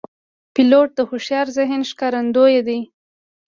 پیلوټ د هوښیار ذهن ښکارندوی دی.